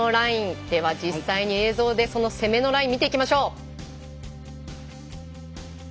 では実際に映像でその攻めのラインを見ていきましょう。